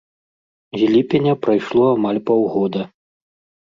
З ліпеня прайшло амаль паўгода.